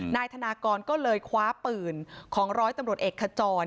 นายธนากรก็เลยคว้าปืนของร้อยตำรวจเอกขจร